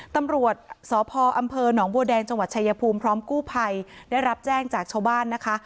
ตำรวจสพอำเภอหนองบัวแดงจังหวัดชายภูมิพร้อมกู้ภัยได้รับแจ้งจากชาวบ้านนะคะ